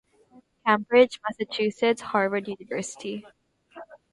Cambridge, Massachusetts: Harvard Univ.